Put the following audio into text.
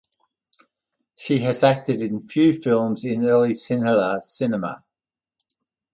She has acted in few films in early Sinhala cinema.